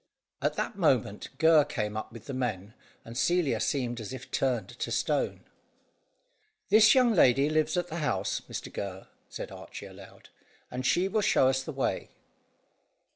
At that moment, Gurr came up with the men, and Celia seemed as if turned to stone. "This young lady lives at the house, Mr Gurr," said Archy aloud, "and she will show us the way."